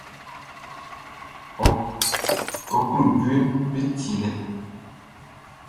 Ɔ klo jueʼm be tielɛ.